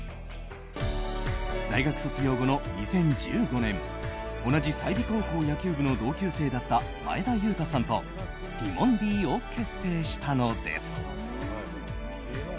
大学卒業後の２０１５年同じ済美高校野球部の同級生だった前田裕太さんとティモンディを結成したのです。